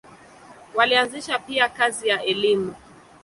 Walianzisha pia kazi ya elimu.